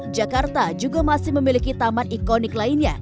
jakarta juga masih memiliki taman ikonik lainnya